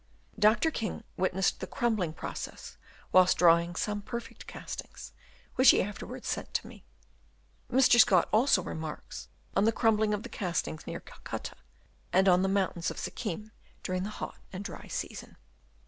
Dr. King witnessed the crumbling process whilst drying some perfect castings, which he afterwards sent me. Mr. Scott also remarks on the crumbling of the castings near Calcutta and on the mountains of Sikkim during the hot and dry season.